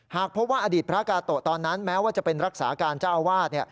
หากพบว่าอดีตพระกาโตะตอนนั้นแม้ว่าจะเป็นรักษาการเจ้าอาวาส